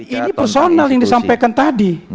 ini personal yang disampaikan tadi